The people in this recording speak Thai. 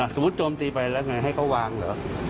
โจมตีไปแล้วไงให้เขาวางเหรอ